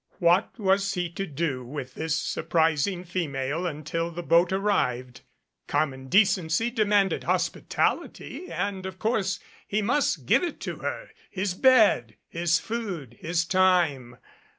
What was he to do with this surprising female until the boat arrived. Common decency demanded hospitality, and of course he must give it to her, his bed, his food, his time.